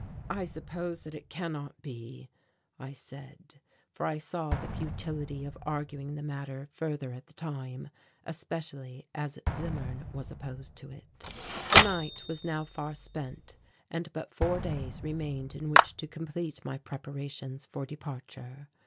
"I suppose that it cannot be," I said, for I saw the futility of arguing the matter further at the time, especially as Zimmern was opposed to it. The night was now far spent and but four days remained in which to complete my preparations for departure.